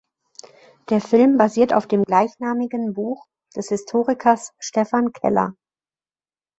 Der Film basiert auf dem gleichnamigen Buch des Historikers Stefan Keller.